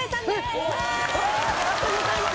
おめでとうございます！